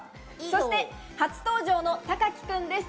そして初登場のたかき君です。